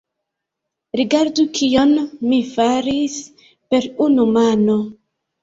Rigardu kion mi faris per unu mano!